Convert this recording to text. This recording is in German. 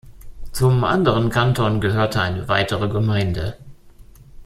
Zum anderen Kanton gehörte eine weitere Gemeinde.